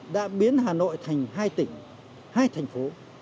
đã biến hà nội thành hai tỉnh hai thành phố